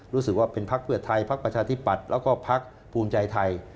รู้สึกว่าเป็นพักเพื่อไทยพักประชาธิปัตย์แล้วก็พักภูมิใจไทย